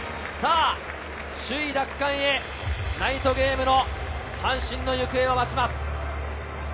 首位奪還へナイトゲームの阪神の行方を待ちます。